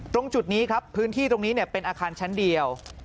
ตรงจุดนี้ครับพื้นที่ตรงนี้เป็นอาคารชั้นเดียว